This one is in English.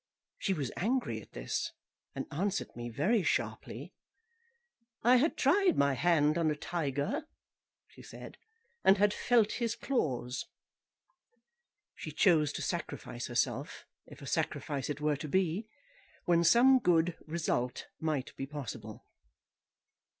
She was angry at this, and answered me very sharply. I had tried my hand on a tiger, she said, and had felt his claws. She chose to sacrifice herself, if a sacrifice it were to be, when some good result might be possible.